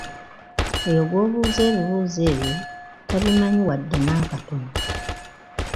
Oyo gw’obuuza ebibuuzo ebyo tabimanyi wadde n'akatono.